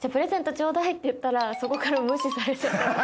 ちょうだいって言ったらそこから無視されちゃって。